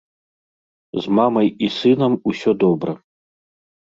З мамай і сынам усё добра.